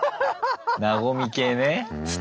和み系ね。